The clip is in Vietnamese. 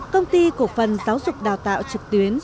công ty cổ phần giáo dục đào tạo trực tuyến